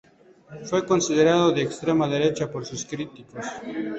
Fue considerado de extrema derecha por sus críticos.